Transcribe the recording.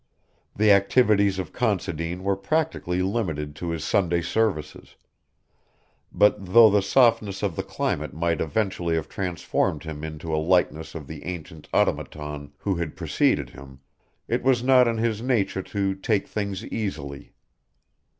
The activities of Considine were practically limited to his Sunday services, but though the softness of the climate might eventually have transformed him into a likeness of the ancient automaton who had preceded him, it was not in his nature to take things easily.